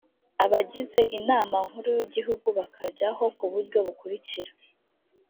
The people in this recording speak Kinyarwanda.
abagize inama nkuru y’igihugu bakajyaho ku buryo bukurikira: